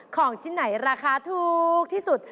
ของชิ้นไหนราคาถูกที่สุด